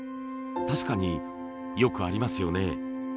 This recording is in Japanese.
確かによくありますよね。